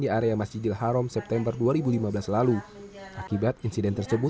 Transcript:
di area masjidil haram september dua ribu tujuh belas